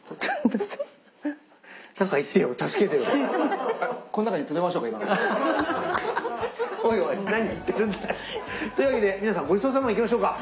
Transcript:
というわけで皆さんごちそうさまいきましょうか。